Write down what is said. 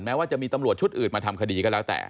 ว่าจะมีตำรวจชุดอื่นมาทำคดีก็แล้วแต่